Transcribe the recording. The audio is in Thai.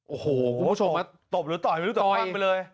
โอ้โหคุณผู้ชมตบหรือต่อยไม่รู้แต่ฟันไปเลย